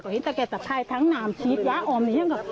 ก็เห็นตัวแก่สะพายทั้งนามชีวิตยาอมนี้